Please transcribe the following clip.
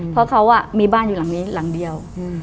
เพราะเขามีบ้านอยู่หลังนี้หลังเดียว